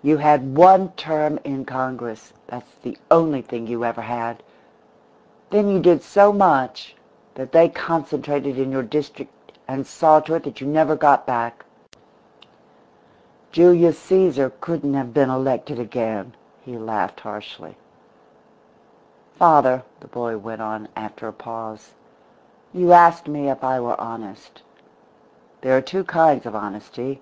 "You had one term in Congress that's the only thing you ever had. Then you did so much that they concentrated in your district and saw to it that you never got back. Julius Caesar couldn't have been elected again," he laughed harshly. "Father," the boy went on, after a pause, "you asked me if I were honest. There are two kinds of honesty.